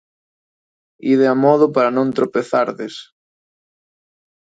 Ide a modo para non tropezardes